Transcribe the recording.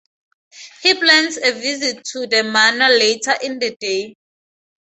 He plans a visit to the manor later in the day.